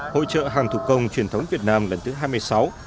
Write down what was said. hội trợ hàng thủ công truyền thống việt nam lần thứ hai mươi sáu